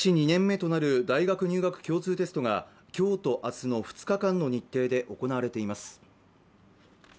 ２年目となる大学入学共通テストがきょうとあすの２日間の日程で行われています